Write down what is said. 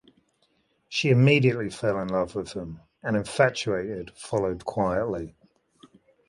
She immediately fell in love with him and, infatuated, followed quietly.